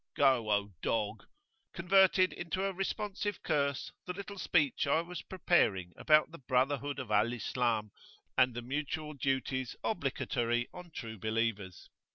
"Go, O dog!" converted into a responsive curse the little speech I was preparing about [p.21]the brotherhood of Al Islam and the mutual duties obligatory on true believers.